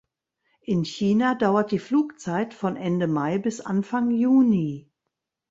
In China dauert die Flugzeit von Ende Mai bis Anfang Juni.